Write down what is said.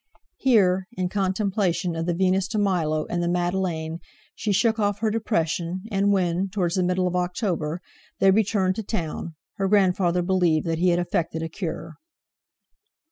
Here, in contemplation of the "Venus de Milo" and the "Madeleine," she shook off her depression, and when, towards the middle of October, they returned to town, her grandfather believed that he had effected a cure.